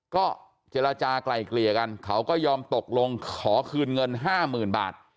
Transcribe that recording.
ก็เจรจากลายเกลี่ยกันเขาก็ยอมตกลงขอคืนเงินห้าหมื่นบาท